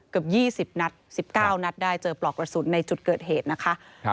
เกือบ๒๐นัด๑๙นัดได้เจอปลอกกระสุนในจุดเกิดเหตุนะคะ